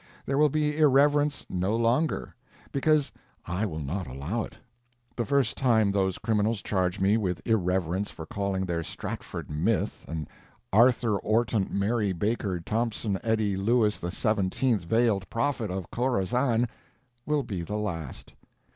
There will be irreverence no longer, because I will not allow it. The first time those criminals charge me with irreverence for calling their Stratford myth an Arthur Orton Mary Baker Thompson Eddy Louis the Seventeenth Veiled Prophet of Khorassan will be the last.